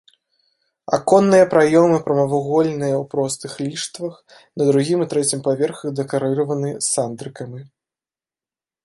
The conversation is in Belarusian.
Аконныя праёмы прамавугольныя ў простых ліштвах, на другім і трэцім паверхах дэкарыраваны сандрыкамі.